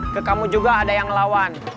ke kamu juga ada yang lawan